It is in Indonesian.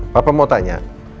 papa mau tanya